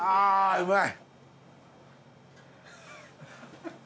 うまい！